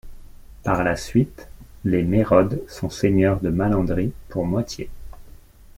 Par la suite, les Mérode sont seigneurs de Malandry pour moitié.